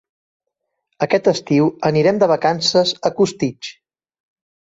Aquest estiu anirem de vacances a Costitx.